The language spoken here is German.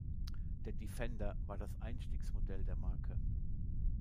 Der Defender war das Einstiegsmodell der Marke.